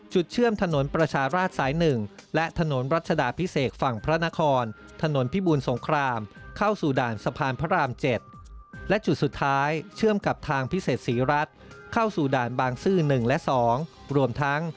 จุดเชื่อมถนนประชาราชสาย๑และถนนรัฐธรรดาพิเศษฝั่งพระนครถนนพิบูรสงครามเข้าสุด่านสะพานพระราม๗